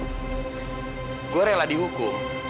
saya rela dihukum